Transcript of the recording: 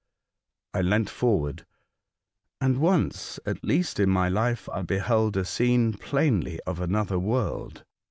I leant forward, and once at least in my life I beheld a scene plainly of another world.